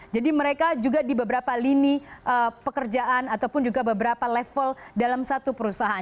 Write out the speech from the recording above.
jadi mereka juga di beberapa lini pekerjaan ataupun juga beberapa level dalam satu perusahaan